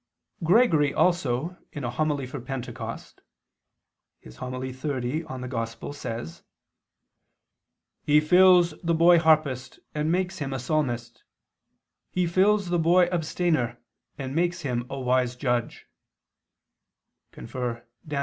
Gregory also in a homily for Pentecost (xxx in Ev.) says: "He fills the boy harpist and makes him a psalmist: He fills the boy abstainer and makes him a wise judge [*Dan.